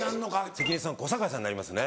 関根さん小堺さんになりますね。